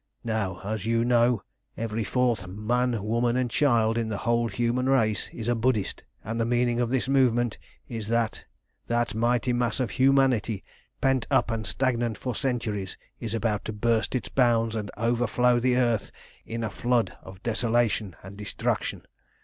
Now, as you know, every fourth man, woman, and child in the whole human race is a Buddhist, and the meaning of this movement is that that mighty mass of humanity, pent up and stagnant for centuries, is about to burst its bounds and overflow the earth in a flood of desolation and destruction.